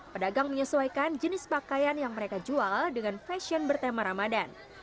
pedagang menyesuaikan jenis pakaian yang mereka jual dengan fashion bertema ramadan